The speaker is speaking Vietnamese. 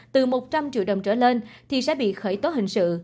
từ một trăm linh triệu đồng trở lên thì sẽ bị khởi tố hình sự